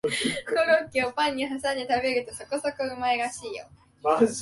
コロッケをパンにはさんで食べるとそこそこうまい